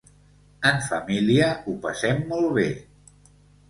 En família ho passem molt bé.